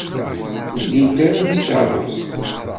Ur lint ara takeṛṛust.